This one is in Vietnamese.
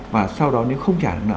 và sau đó nếu không trả được nợ